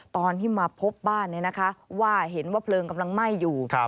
ตอนที่มาพบบ้านว่าเห็นว่าเพลิงกำลังไหม้อยู่